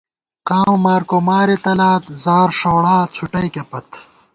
قامہ مارکو مارے تلات ، زار ݭوڑا څُھٹَئیکے پت